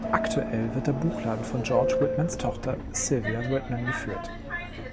Aktuell wird der Buchladen von George Whitmans Tochter, Sylvia Whitman, geführt.